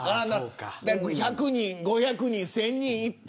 １００人、５００人１０００人行って。